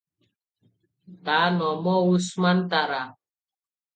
ତା’ ନମ ଉସ୍-ମାନ୍-ତା-ରା!